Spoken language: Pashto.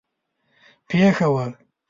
پېښه وه.